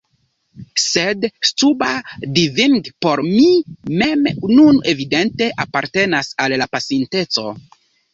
Sed scuba diving por mi mem nun evidente apartenas al la pasinteco.